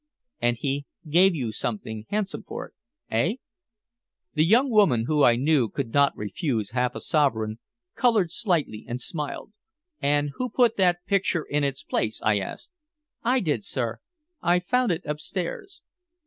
"And he gave you something handsome for it eh?" The young woman, whom I knew could not refuse half a sovereign, colored slightly and smiled. "And who put that picture in its place?" I asked. "I did, sir. I found it upstairs."